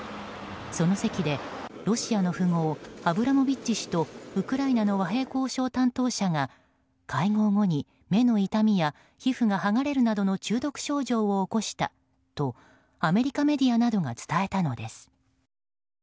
その席でロシアの富豪アブラモビッチ氏とウクライナの和平交渉担当者が会合後に目の痛みや皮膚が剥がれるなどの中毒症状を起こしたとアメリカメディアなどが伝えたのです。